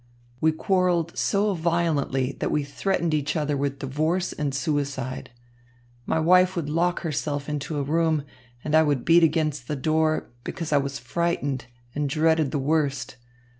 We quarrelled so violently, that we threatened each other with divorce and suicide. My wife would lock herself into a room and I would beat against the door, because I was frightened and dreaded the worst.